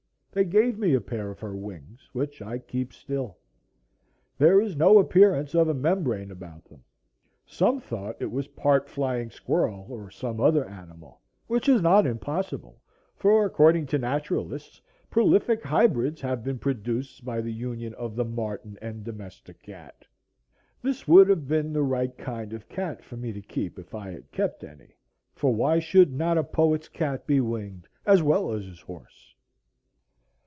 They gave me a pair of her "wings," which I keep still. There is no appearance of a membrane about them. Some thought it was part flying squirrel or some other wild animal, which is not impossible, for, according to naturalists, prolific hybrids have been produced by the union of the marten and domestic cat. This would have been the right kind of cat for me to keep, if I had kept any; for why should not a poet's cat be winged as well as his horse?